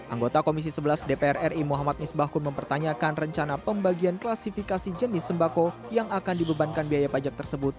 anggota komisi sebelas dpr ri muhammad misbahkun mempertanyakan rencana pembagian klasifikasi jenis sembako yang akan dibebankan biaya pajak tersebut